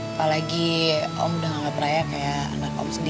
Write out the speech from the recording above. apalagi om udah anggap raya kayak anak om sendiri